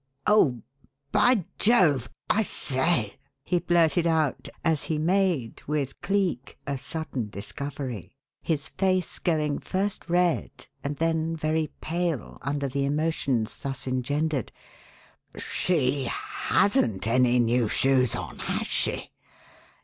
"Oh, by Jove! I say!" he blurted out as he made with Cleek a sudden discovery; his face going first red and then very pale under the emotions thus engendered. "She hasn't any new shoes on, has she?